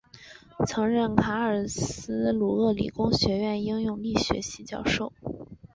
曾任卡尔斯鲁厄理工学院应用力学系教授。